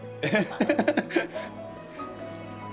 ハハハハ！